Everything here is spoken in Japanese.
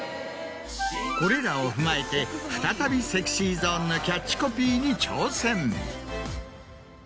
これらを踏まえてＳｅｘｙＺｏｎｅのキャッチコピーに。